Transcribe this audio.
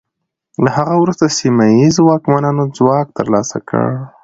له هغه وروسته سیمه ییزو واکمنانو ځواک ترلاسه کړ.